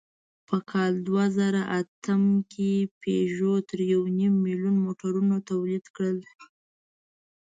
په کال دوهزرهاتم کې پيژو تر یونیم میلیونه موټرونه تولید کړل.